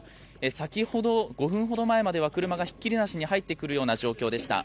先ほど、５分ほど前までは、車がひっきりなしに入ってくるような状況でした。